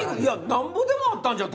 なんぼでもあったんじゃ？